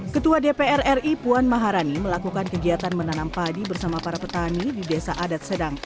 ketua dpr ri puan maharani melakukan kegiatan menanam padi bersama para petani di desa adat sedang